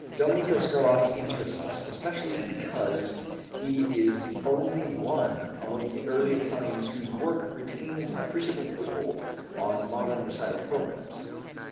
Domenico Scarlatti interests us especially because he is the only one of the early Italians whose work retains an appreciable foothold on modern recital programs.